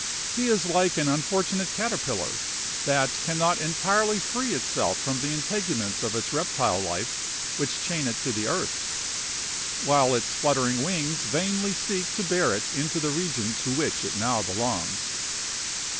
He is like an unfortunate caterpillar that 'can not entirely free itself from the integuments of its reptile life which chain it to the earth, while its fluttering wings vainly seek to bear it into the region to which it now belongs.